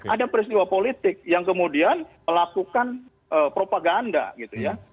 ada peristiwa politik yang kemudian melakukan propaganda gitu ya